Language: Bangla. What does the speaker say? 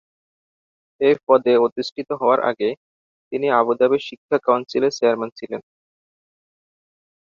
এই পদে অধিষ্ঠিত হওয়ার আগে তিনি আবুধাবি শিক্ষা কাউন্সিল এর চেয়ারম্যান ছিলেন।